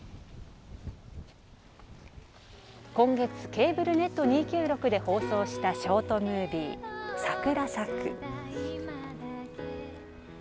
今月、ケーブルネット２９６で放送したショートムービー、サクラ咲く。